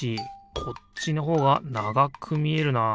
こっちのほうがながくみえるなあ。